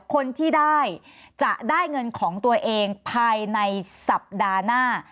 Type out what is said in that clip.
คนที่ได้จะได้เงินของตัวเองภายในสัปดาห์หน้า